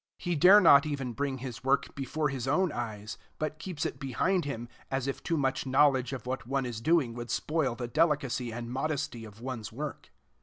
He dare not even bring his work before his own eyes, but keeps it behind him, as if too much knowledge of what one is doing would spoil the delicacy and modesty of one's work.